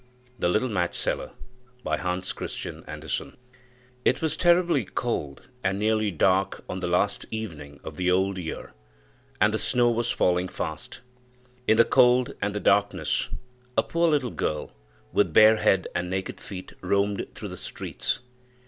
THE LITTLE MATCH SELLER It was terribly cold and nearly dark on the last evening of the old year, and the snow was falling fast. In the cold and the darkness, a poor little girl, with bare head and naked feet, roamed through the streets.